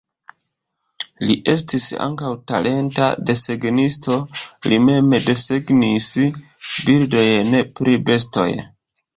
Li estis ankaŭ talenta desegnisto, li mem desegnis bildojn pri bestoj.